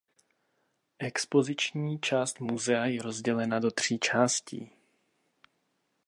Expoziční část muzea je rozdělena do tří částí.